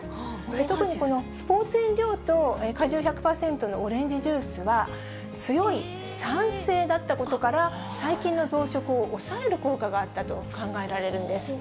特にこのスポーツ飲料と果汁１００％のオレンジジュースは強い酸性だったことから、細菌の増殖を抑える効果があったと考えられるんです。